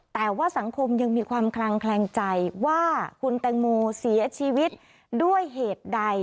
แต่ว่าสังคมยังมีความคลังแคลงใจว่าคุณแตงโมเสียชีวิตด้วยเหตุใด